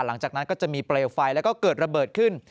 หลังจากนั้นก็จะมีเปลวไฟแล้วก็เกิดระเบิดขึ้น